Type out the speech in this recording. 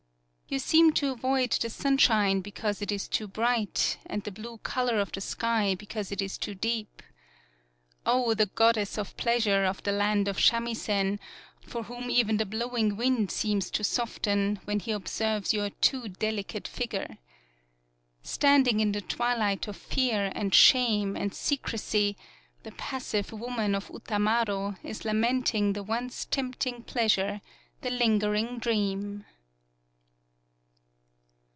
You seem to avoid the sunshine be cause it is too bright, and the blue color 107 PAULOWNIA of the sky because it is too deep. O, the goddess of pleasure of the land of Shamisen, for whom even the blowing wind seems to soften when he observes your too delicate figure! Standing in the twilight of fear and shame and se crecy, the passive Woman of Utamaro is lamenting the once tempting pleas ure, the lingering dream.